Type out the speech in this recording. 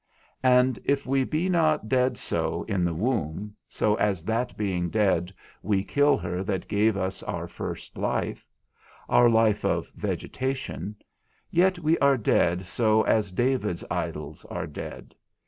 And if we be not dead so in the womb, so as that being dead we kill her that gave us our first life, our life of vegetation, yet we are dead so as David's idols are dead.